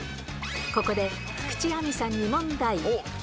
ここで菊地亜美さんに問題。